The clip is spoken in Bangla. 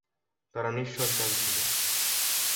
তাঁরা নিঃসন্তান ছিল।